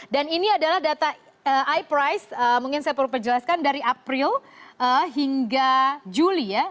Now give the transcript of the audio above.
dan ini adalah data iprice mungkin saya perlu perjelaskan dari april hingga juli ya